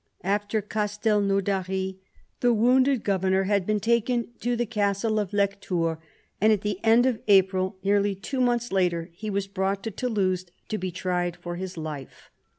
After Castelnaudary the wounded governor had been taken to the castle of Lectoure, and at the end of October, nearly two months later, he was brought to Toulouse to be tried for his life.